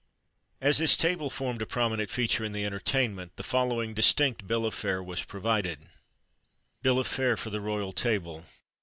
As this table formed a prominent feature in the entertainment, the following distinct bill of fare was provided: BILL OF FARE FOR THE ROYAL TABLE.